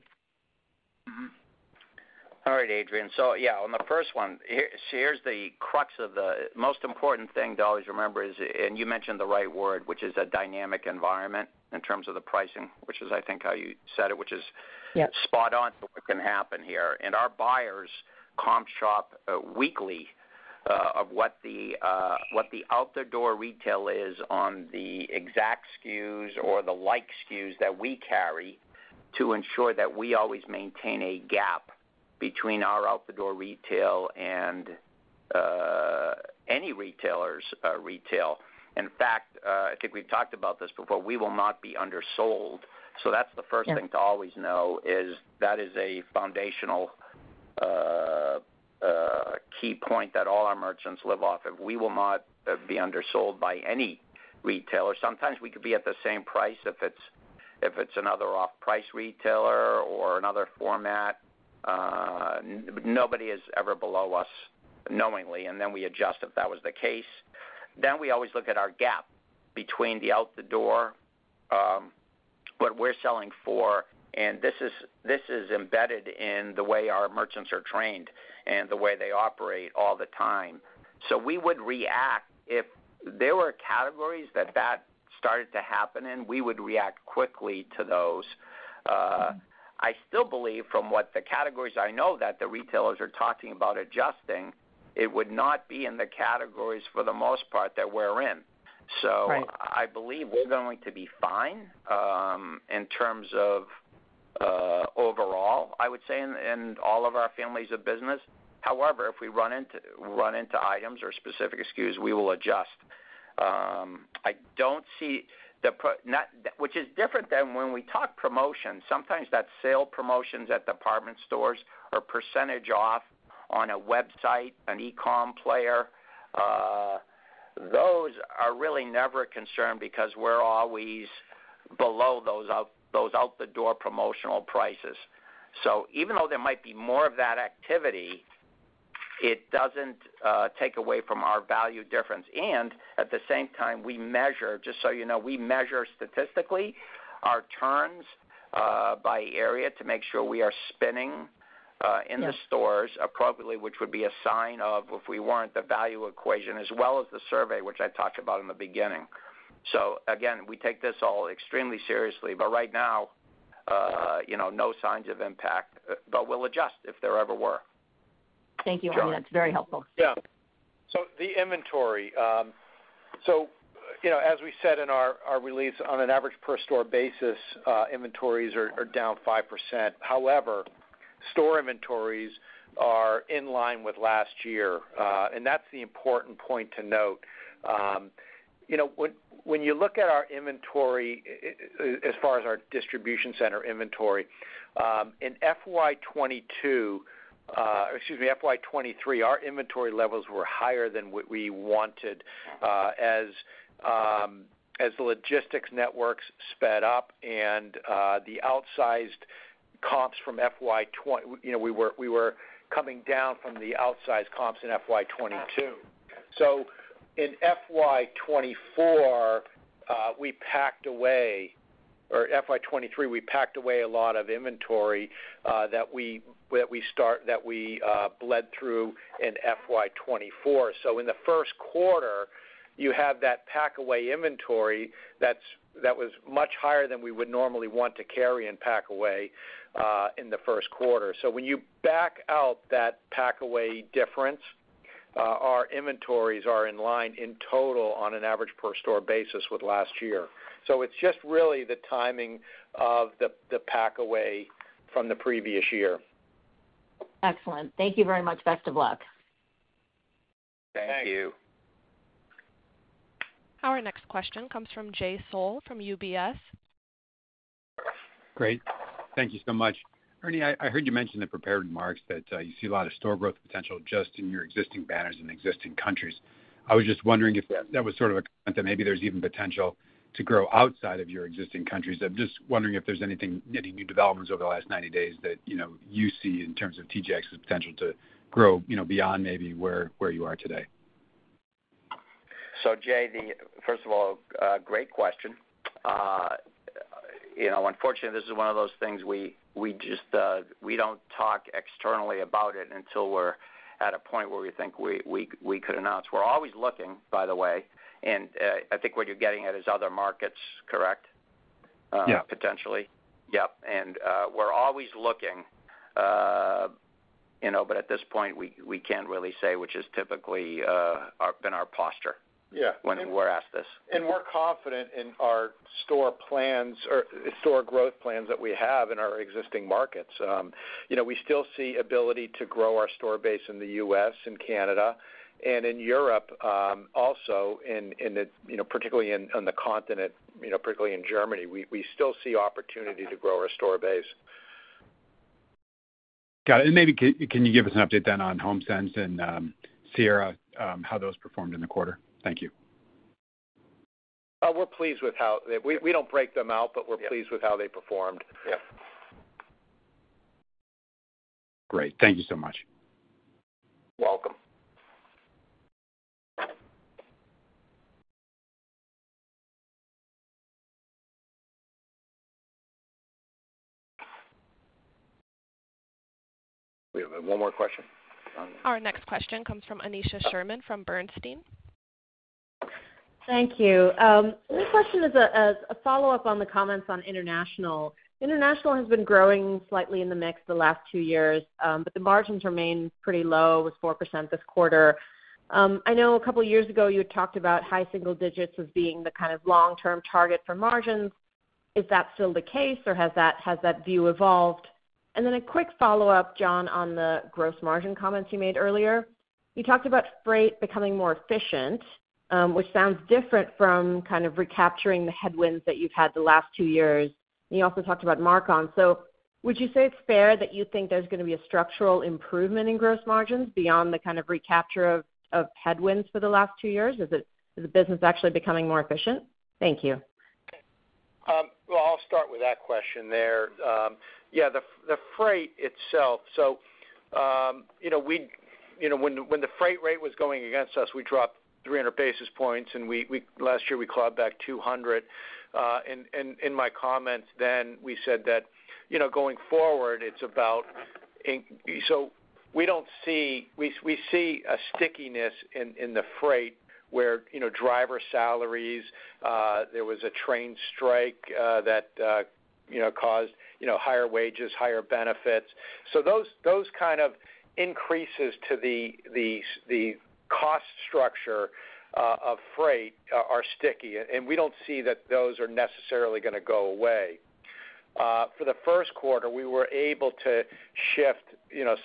All right, Adrienne. So, yeah, on the first one, here, so here's the crux of the most important thing to always remember is, and you mentioned the right word, which is a dynamic environment in terms of the pricing, which is, I think, how you said it, which is—Yep... spot on for what can happen here. Our buyers comp shop weekly of what the out-the-door retail is on the exact SKUs or the like SKUs that we carry to ensure that we always maintain a gap. ... between our out-the-door retail and any retailer's retail. In fact, I think we've talked about this before, we will not be undersold. So that's the first thing- Yeah to always know, is that is a foundational key point that all our merchants live off of. We will not be undersold by any retailer. Sometimes we could be at the same price if it's, if it's another off-price retailer or another format. Nobody is ever below us knowingly, and then we adjust if that was the case. Then we always look at our gap between the out the door what we're selling for, and this is, this is embedded in the way our merchants are trained and the way they operate all the time. So we would react if there were categories that started to happen in, we would react quickly to those. I still believe from what the categories I know that the retailers are talking about adjusting, it would not be in the categories for the most part that we're in. Right. So I believe we're going to be fine, in terms of, overall, I would say, in all of our families of business. However, if we run into items or specific SKUs, we will adjust. I don't see the problem, which is different than when we talk promotions. Sometimes that's sale promotions at department stores or percentage off on a website, an e-com player. Those are really never a concern because we're always below those out-the-door promotional prices. So even though there might be more of that activity, it doesn't take away from our value difference. And at the same time, we measure, just so you know, we measure statistically our turns by area to make sure we are spinning. Yeah... in the stores appropriately, which would be a sign of, if we weren't, the value equation, as well as the survey, which I talked about in the beginning. So again, we take this all extremely seriously, but right now, you know, no signs of impact, but we'll adjust if there ever were. Thank you, Ernie. Sure. That's very helpful. Yeah. So the inventory. So, you know, as we said in our release, on an average per store basis, inventories are down 5%. However, store inventories are in line with last year, and that's the important point to note. You know, when you look at our inventory, as far as our distribution center inventory, in FY 2022, excuse me, FY 2023, our inventory levels were higher than what we wanted, as the logistics networks sped up and the outsized comps from FY—you know, we were coming down from the outsized comps in FY 2022. So in FY 2024, we packed away... or FY 2023, we packed away a lot of inventory, that we bled through in FY 2024. So in the Q1, you have that pack-away inventory that was much higher than we would normally want to carry and pack away in the Q1. So when you back out that pack-away difference, our inventories are in line in total on an average per store basis with last year. So it's just really the timing of the pack away from the previous year. Excellent. Thank you very much. Best of luck. Thank you. Thanks. Our next question comes from Jay Sole from UBS. Great. Thank you so much. Ernie, I heard you mention in prepared remarks that you see a lot of store growth potential just in your existing banners in existing countries. I was just wondering if that was sort of a, that maybe there's even potential to grow outside of your existing countries. I'm just wondering if there's anything, any new developments over the last 90 days that, you know, you see in terms of TJX's potential to grow, you know, beyond maybe where, where you are today. So, Jay, first of all, great question. You know, unfortunately, this is one of those things we just don't talk externally about it until we're at a point where we think we could announce. We're always looking, by the way, and I think what you're getting at is other markets, correct? Yeah. Potentially. Yep, and we're always looking, you know, but at this point, we can't really say, which is typically our posture- Yeah - when we're asked this. We're confident in our store plans or store growth plans that we have in our existing markets. You know, we still see ability to grow our store base in the U.S., in Canada, and in Europe, also in the, you know, particularly in on the continent, you know, particularly in Germany. We still see opportunity to grow our store base. Got it. And maybe can you give us an update then on HomeSense and Sierra, how those performed in the quarter? Thank you. We're pleased with how we don't break them out, but we're pleased with how they performed. Yeah. Great. Thank you so much. Welcome. We have one more question. Our next question comes from Aneesha Sherman from Bernstein. Thank you. This question is a follow-up on the comments on international. International has been growing slightly in the mix the last two years, but the margins remain pretty low, it was 4% this quarter. I know a couple of years ago, you had talked about high single digits as being the kind of long-term target for margins.... Is that still the case, or has that, has that view evolved? And then a quick follow-up, John, on the gross margin comments you made earlier. You talked about freight becoming more efficient, which sounds different from kind of recapturing the headwinds that you've had the last two years. And you also talked about mark-on. So would you say it's fair that you think there's going to be a structural improvement in gross margins beyond the kind of recapture of, of headwinds for the last two years? Is it, is the business actually becoming more efficient? Thank you. Well, I'll start with that question there. Yeah, the freight itself. So, you know, we—you know, when the freight rate was going against us, we dropped 300 basis points, and we—last year, we clawed back 200. And in my comments then, we said that, you know, going forward, it's about so we don't see—we see a stickiness in the freight where, you know, driver salaries, there was a train strike that you know, caused higher wages, higher benefits. So those kind of increases to the cost structure of freight are sticky, and we don't see that those are necessarily gonna go away. For the Q1, we were able to shift, you know,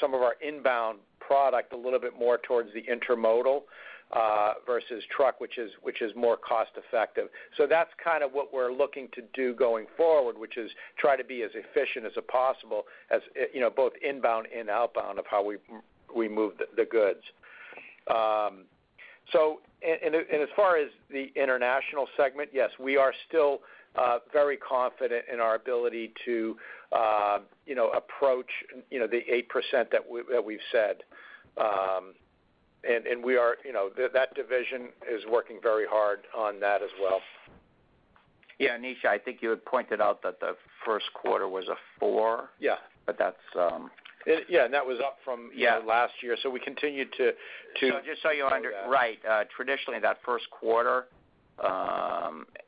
some of our inbound product a little bit more towards the intermodal versus truck, which is more cost effective. So that's kind of what we're looking to do going forward, which is try to be as efficient as possible, you know, both inbound and outbound of how we move the goods. And as far as the international segment, yes, we are still very confident in our ability to approach the 8% that we've said. And we are, you know, that division is working very hard on that as well. Yeah, Aneesha, I think you had pointed out that the Q1 was a four. Yeah. But that's, Yeah, and that was up from- Yeah the last year, so we continued to Right. Traditionally, that Q1,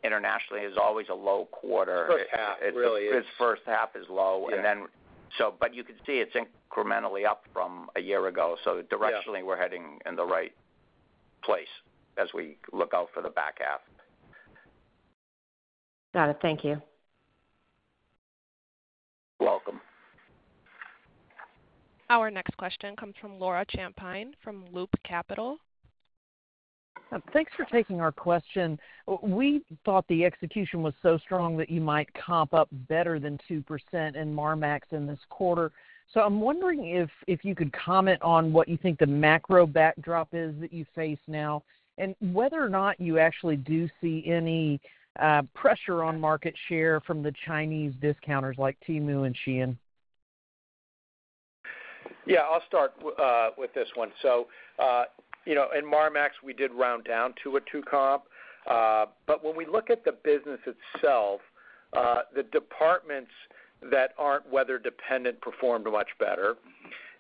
internationally, is always a low quarter. H1, really is. This H1 is low. Yeah. You can see it's incrementally up from a year ago. Yeah. Directionally, we're heading in the right place as we look out for the back half. Got it. Thank you. You're welcome. Our next question comes from Laura Champine, from Loop Capital. Thanks for taking our question. We thought the execution was so strong that you might comp up better than 2% in Marmaxx in this quarter. So I'm wondering if you could comment on what you think the macro backdrop is that you face now, and whether or not you actually do see any pressure on market share from the Chinese discounters like Temu and Shein? Yeah, I'll start with this one. So, you know, in Marmaxx, we did round down to a 2 comp. But when we look at the business itself, the departments that aren't weather dependent performed much better,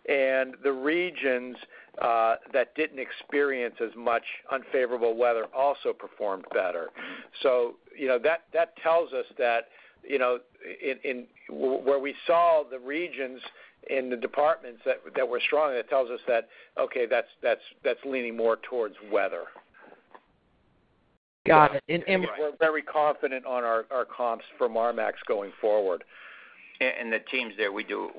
and the regions that didn't experience as much unfavorable weather also performed better. So you know, that tells us that, you know, where we saw the regions and the departments that were strong, that tells us that, okay, that's leaning more towards weather. Got it. And- We're very confident on our comps for Marmaxx going forward. And the teams there, we do.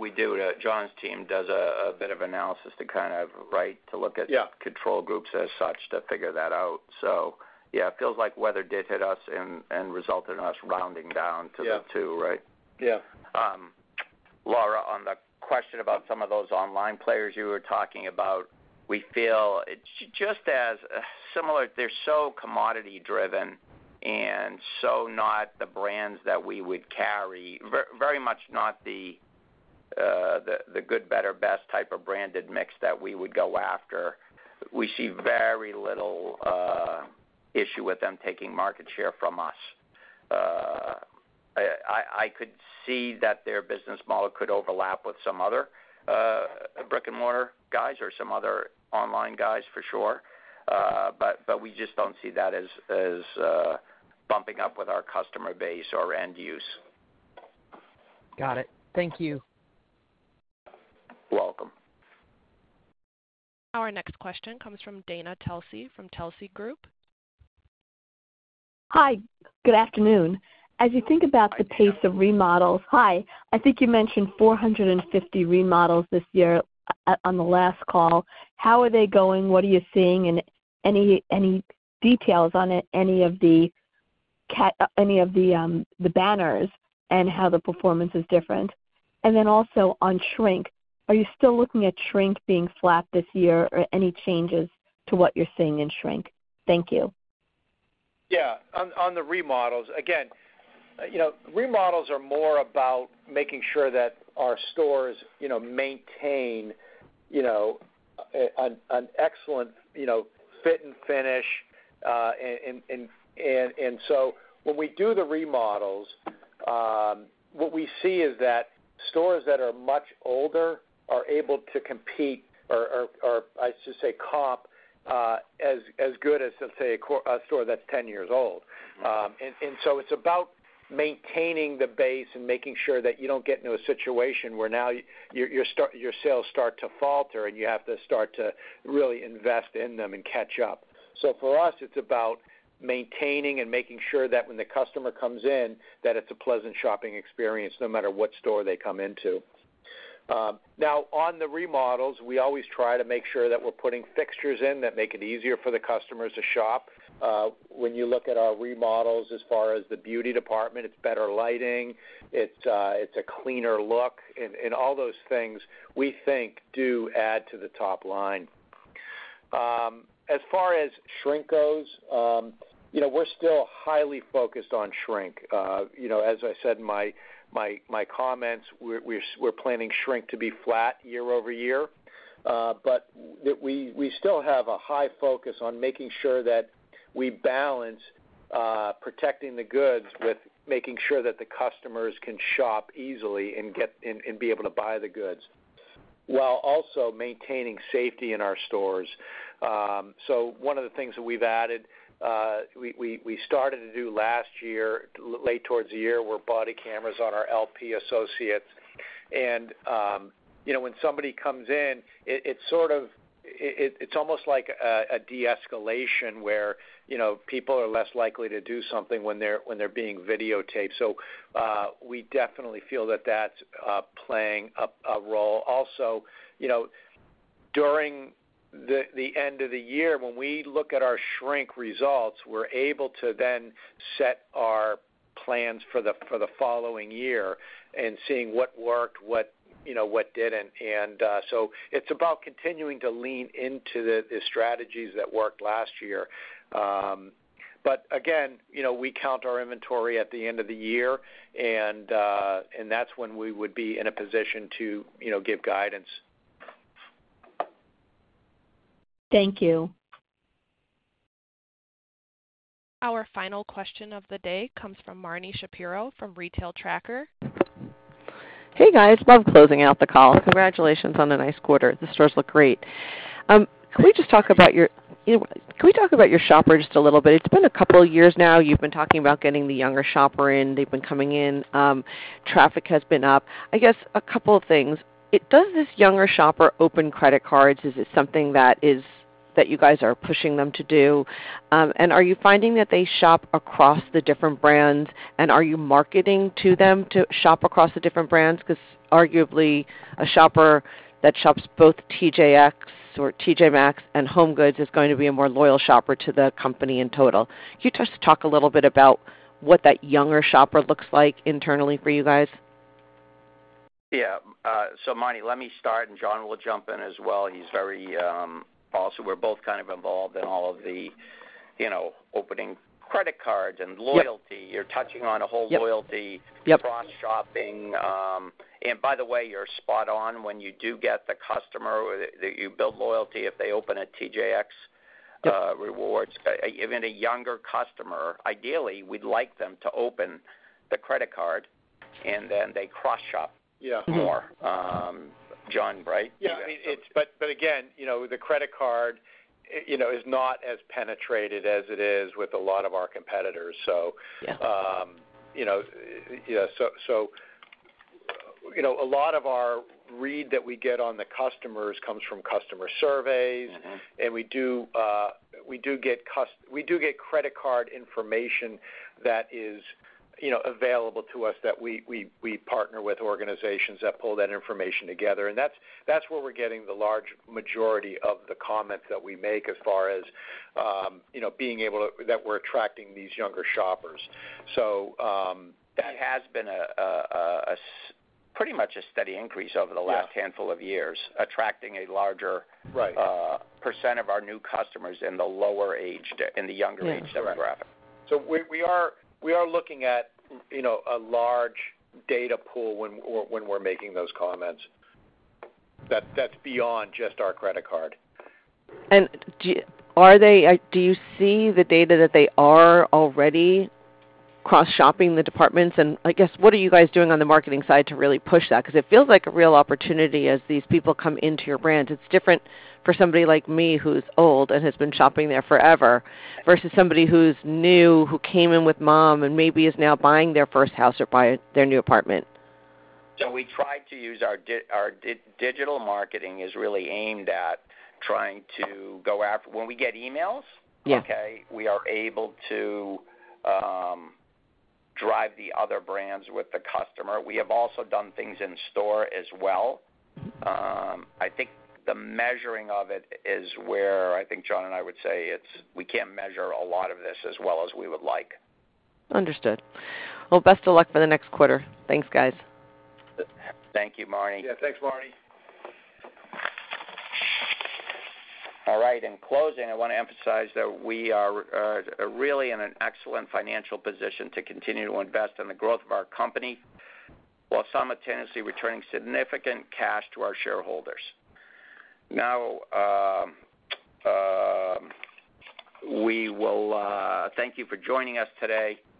John's team does a bit of analysis to kind of... right? To look at- Yeah... control groups as such to figure that out. So yeah, it feels like weather did hit us and, and resulted in us rounding down to the two, right? Yeah. Laura, on the question about some of those online players you were talking about, we feel it's just as similar. They're so commodity driven and so not the brands that we would carry, very much not the good, better, best type of branded mix that we would go after. We see very little issue with them taking market share from us. I could see that their business model could overlap with some other brick-and-mortar guys or some other online guys for sure. But we just don't see that as bumping up with our customer base or end use. Got it. Thank you. Welcome. Our next question comes from Dana Telsey, from Telsey Advisory Group. Hi, good afternoon. As you think about the pace of remodels—hi, I think you mentioned 450 remodels this year on the last call. How are they going? What are you seeing? And any details on any of the banners and how the performance is different? And then also on shrink, are you still looking at shrink being flat this year, or any changes to what you're seeing in shrink? Thank you. Yeah. On the remodels, again, you know, remodels are more about making sure that our stores, you know, maintain, you know, an excellent, you know, fit and finish, and so when we do the remodels, what we see is that stores that are much older are able to compete or I should say, comp as good as, let's say, a store that's 10 years old. And so it's about maintaining the base and making sure that you don't get into a situation where now your sales start to falter, and you have to start to really invest in them and catch up. So for us, it's about maintaining and making sure that when the customer comes in, that it's a pleasant shopping experience, no matter what store they come into.... Now on the remodels, we always try to make sure that we're putting fixtures in that make it easier for the customers to shop. When you look at our remodels, as far as the beauty department, it's better lighting, it's a cleaner look, and all those things, we think do add to the top line. As far as shrink goes, you know, we're still highly focused on shrink. You know, as I said in my comments, we're planning shrink to be flat year-over-year. But we still have a high focus on making sure that we balance protecting the goods with making sure that the customers can shop easily and get and be able to buy the goods, while also maintaining safety in our stores. So one of the things that we've added, we started to do last year, late towards the year, were body cameras on our LP associates. And, you know, when somebody comes in, it's sort of... It's almost like a de-escalation, where, you know, people are less likely to do something when they're being videotaped. So, we definitely feel that that's playing a role. Also, you know, during the end of the year, when we look at our shrink results, we're able to then set our plans for the following year and seeing what worked, what, you know, what didn't. And, so it's about continuing to lean into the strategies that worked last year. But again, you know, we count our inventory at the end of the year, and that's when we would be in a position to, you know, give guidance. Thank you. Our final question of the day comes from Marni Shapiro from Retail Tracker. Hey, guys, love closing out the call. Congratulations on a nice quarter. The stores look great. Can we just talk about your shopper just a little bit? It's been a couple of years now, you've been talking about getting the younger shopper in. They've been coming in. Traffic has been up. I guess, a couple of things: does this younger shopper open credit cards? Is it something that is, that you guys are pushing them to do? And are you finding that they shop across the different brands, and are you marketing to them to shop across the different brands? Because arguably, a shopper that shops both TJX or T.J. Maxx and HomeGoods is going to be a more loyal shopper to the company in total. Can you just talk a little bit about what that younger shopper looks like internally for you guys? Yeah. So Marni, let me start, and John will jump in as well. He's very, Also, we're both kind of involved in all of the, you know, opening credit cards and loyalty. Yep. You're touching on a whole loyalty- Yep, yep. -cross shopping. And by the way, you're spot on. When you do get the customer, that you build loyalty, if they open a TJX Rewards- Yep... even a younger customer, ideally, we'd like them to open the credit card, and then they cross-shop—Yeah.—more. John, right? Yeah, I mean, it's—but, but again, you know, the credit card, you know, is not as penetrated as it is with a lot of our competitors. So- Yeah... you know, yeah, so, so, you know, a lot of our read that we get on the customers comes from customer surveys. Mm-hmm. And we do, we do get credit card information that is, you know, available to us, that we partner with organizations that pull that information together. And that's where we're getting the large majority of the comments that we make as far as, you know, being able to, that we're attracting these younger shoppers. So, that has been pretty much a steady increase over the last handful of years, attracting a larger percent of our new customers in the lower age, in the younger age demographic. Yeah, correct. So we are looking at, you know, a large data pool when we're making those comments. That's beyond just our credit card. Are they... do you see the data that they are already cross-shopping the departments? And I guess, what are you guys doing on the marketing side to really push that? Because it feels like a real opportunity as these people come into your brand. It's different for somebody like me, who's old and has been shopping there forever, versus somebody who's new, who came in with mom and maybe is now buying their first house or buying their new apartment. So we try to use our digital marketing is really aimed at trying to go after when we get emails- Yeah... okay, we are able to drive the other brands with the customer. We have also done things in store as well. Mm-hmm. I think the measuring of it is where I think John and I would say it's. We can't measure a lot of this as well as we would like. Understood. Well, best of luck for the next quarter. Thanks, guys. Thank you, Marni. Yeah, thanks, Marni. All right, in closing, I want to emphasize that we are really in an excellent financial position to continue to invest in the growth of our company, while simultaneously returning significant cash to our shareholders. Now, we will... Thank you for joining us today, and-